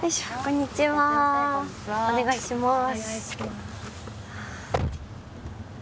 お願いします。